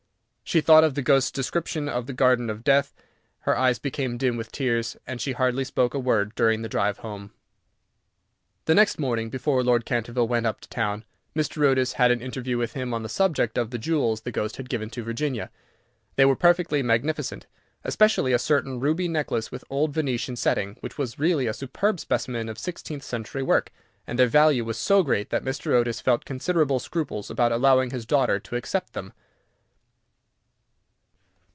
She thought of the ghost's description of the Garden of Death, her eyes became dim with tears, and she hardly spoke a word during the drive home. [Illustration: "THE MOON CAME OUT FROM BEHIND A CLOUD"] The next morning, before Lord Canterville went up to town, Mr. Otis had an interview with him on the subject of the jewels the ghost had given to Virginia. They were perfectly magnificent, especially a certain ruby necklace with old Venetian setting, which was really a superb specimen of sixteenth century work, and their value was so great that Mr. Otis felt considerable scruples about allowing his daughter to accept them.